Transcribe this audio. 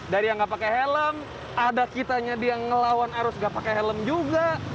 dari yang nggak pakai helm ada kitanya dia ngelawan harus nggak pakai helm juga